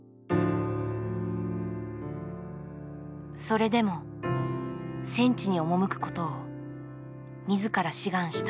それでも戦地に赴くことを自ら志願した。